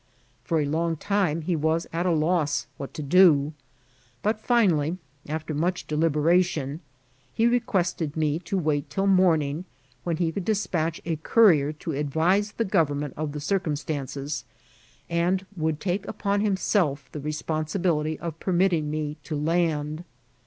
For a long time he was at a loss what to do ; but finally, after much deliberation, he requested me to wait till morning, when he would despatch a couri^ to advise the government of the circumstances, and would take up<Ni •himself the responsibility of permitting me to land.